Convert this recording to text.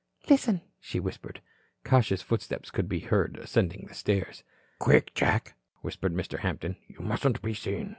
"Listen," she whispered. Cautious footsteps could be heard ascending the stairs. "Quick, Jack," whispered Mr. Hampton, "you mustn't be seen.